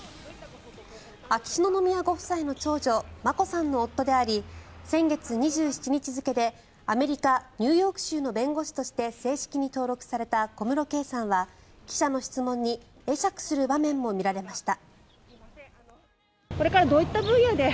秋篠宮ご夫妻の長女眞子さんの夫であり先月２７日付でアメリカ・ニューヨーク州の弁護士として正式に登録された小室圭さんは記者の質問に会釈する場面も見られました。